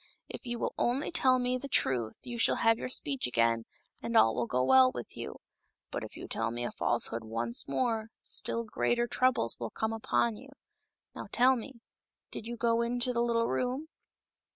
If you will only tell me the truth you shall have your speech again, and all will go well with you. But if you tell me a falsehood once more, still greater troubles will come upon you. Now tell me, did you go into the little room